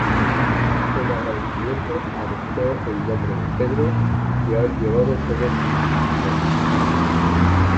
En agradecimiento adoptó el nombre de Pedro, que han llevado todos sus sucesores.